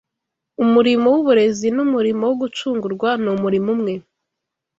umurimo w’uburezi n’umurimo wo gucungurwa ni umurimo umwe